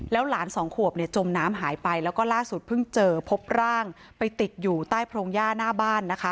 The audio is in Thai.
แล้วหลานสองขวบจมน้ำหายไปแล้วก็ล่าสุดเพิ่งเจอพบร่างไปติดอยู่ใต้พรงญาหน้าบ้าน